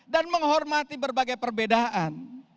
dan menghormati berbagai perbedaan